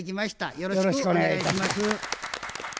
よろしくお願いします。